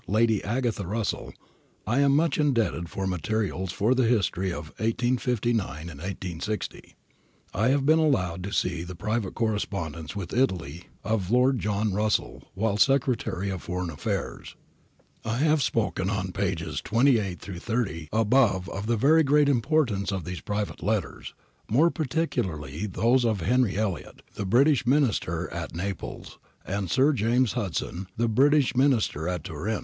Lady Agatha Russell, I am much indebted for materials for the history of 1859 60, I have been allowed to see the private correspondence with Italy of Lord John Russell while Secretary for P'oreign Affairs. I have spoken on pp. 28 30 above of the very great importance of these private letters, more particularly those of Henry Elliot, the British Minister at Naples, and Sir James Hudson, the British Minister at Turin.